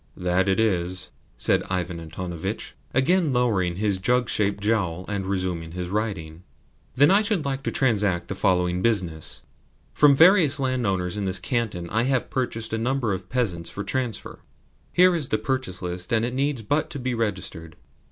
"It is that," said Ivan Antonovitch, again lowering his jug shaped jowl, and resuming his writing. "Then I should like to transact the following business. From various landowners in this canton I have purchased a number of peasants for transfer. Here is the purchase list, and it needs but to be registered."